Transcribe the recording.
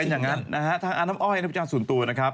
เป็นอย่างนั้นนะฮะทางอันน้ำอ้อยนะครับอาจารย์สูญตัวนะครับ